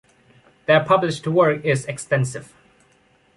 Their published work is extensive.